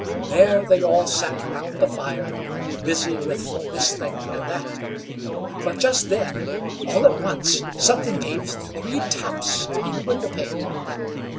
There they all sat round the fire, busy with this thing and that. But just then, all at once something gave three taps on the window pane.